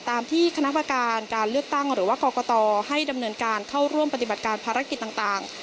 ตามที่คณะประการการเลือกตั้งหรือว่ากรกตให้ดำเนินการเข้าร่วมปฏิบัติการภารกิจต่าง